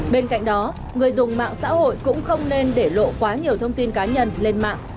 bên cạnh đó người dùng mạng xã hội cũng không nên để lộ quá nhiều thông tin cá nhân lên mạng